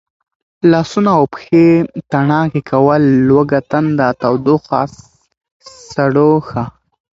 لاسونه او پښې تڼاکې کول، لوږه تنده، تودوخه، سړوښه،